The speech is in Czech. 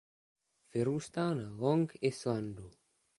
Vyrůstal na Long Islandu.